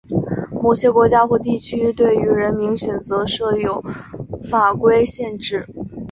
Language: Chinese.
某些国家或地区对于人名选择设有法规限制。